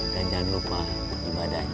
dan jangan lupa ibadahnya